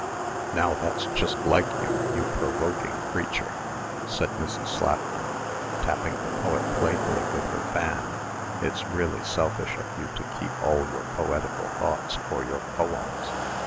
"Now, that's just like you, you provoking creature!" said Mrs. Slapman, tapping the poet playfully with her fan. "It's really selfish of you to keep all your poetical thoughts for your poems."